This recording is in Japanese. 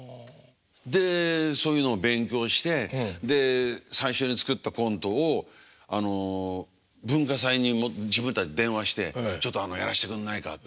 でそういうのを勉強してで最初に作ったコントを文化祭に自分たちで電話してちょっとやらせてくんないかと。